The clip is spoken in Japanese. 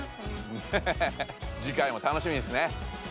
次回もたのしみですね。